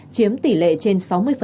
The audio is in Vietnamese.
chiếm tỷ lệ trên sáu mươi